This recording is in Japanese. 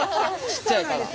ちっちゃいから。